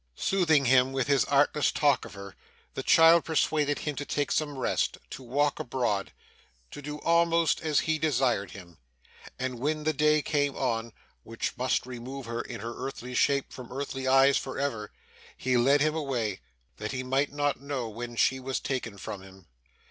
Soothing him with his artless talk of her, the child persuaded him to take some rest, to walk abroad, to do almost as he desired him. And when the day came on, which must remove her in her earthly shape from earthly eyes for ever, he led him away, that he might not know when she was taken from him.